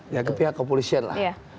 ya ke pihak kepolisian lah